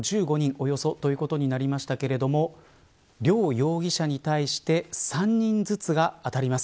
およそということになりましたが両容疑者に対して３人ずつがあたります。